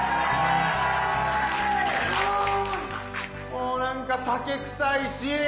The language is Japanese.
もう何か酒臭いし。